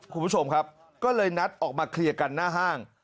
คุณผู้ชมครับก็เลยนัดออกมาเคลียร์กันหน้าห้าง